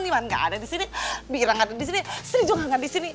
gak ada disini bira gak ada disini sri juga gak ada disini